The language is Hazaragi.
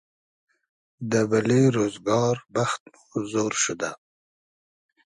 دۂ بئلې رۉزگار بئخت مۉ زۉر شودۂ